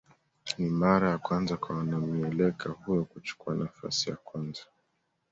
Ni mara ya kwanza kwa mwanamieleka huyo kuchukua nafasi ya kwanza